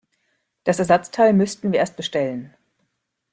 Das Ersatzteil müssten wir erst bestellen.